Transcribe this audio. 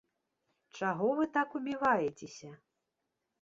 Чаго вы так убіваецеся?